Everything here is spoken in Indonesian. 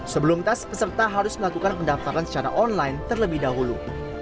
sebelum tes peserta harus melakukan pendaftaran secara online terlebih dahulu